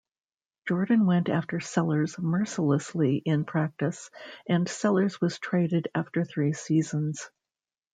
Jordan went after Sellers mercilessly in practice, and Sellers was traded after three seasons.